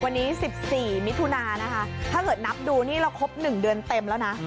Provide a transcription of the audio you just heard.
วันนี้๑๔มิถุนานะคะถ้าเกิดนับดูนี่เราครบ๑เดือนเต็มแล้วนะ